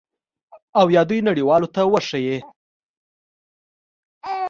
او یا دوی نړیوالو ته وښایي